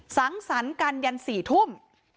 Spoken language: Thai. สังสรรค์กันยัน๔ทุ่ม